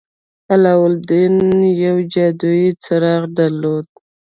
علاوالدين يو جادويي څراغ درلود.